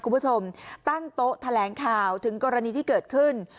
คุณผู้ชมตั้งโต๊ะแถลงข่าวถึงกรณีที่เกิดขึ้น